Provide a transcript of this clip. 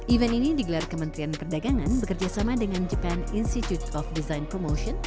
event ini digelar kementerian perdagangan bekerjasama dengan jepang institute of design promotion